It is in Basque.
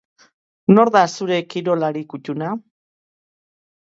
Nor da zure kirolari kuttuna?